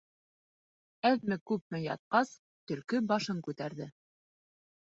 Әҙме-күпме ятҡас, төлкө башын күтәрҙе.